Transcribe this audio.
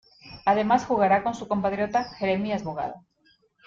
Además jugará con su compatriota Jeremías Bogado.